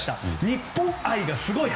日本愛がすごい。